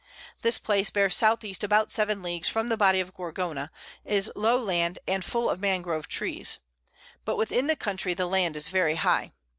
This Place bears S.E. about 7 Leagues from the Body of Gorgona, is low Land and full of Mangrove Trees; but within the Country the Land is very high.